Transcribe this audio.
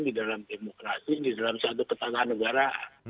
di dalam demokrasi di dalam satu ketataan negara